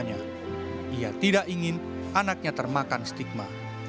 tapi dia juga tidak ingin anaknya termakan stigma